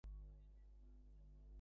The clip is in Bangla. কোন গণিত পরীক্ষা?